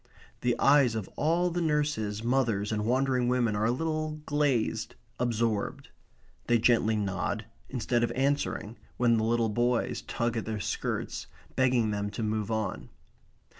The eyes of all the nurses, mothers, and wandering women are a little glazed, absorbed. They gently nod instead of answering when the little boys tug at their skirts, begging them to move on.